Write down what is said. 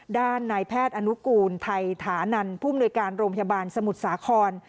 ด้านนายแพทย์อนุกูลไทยถานันผู้มนุยการโรงพยาบาลสมุทรสาคร